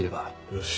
よし。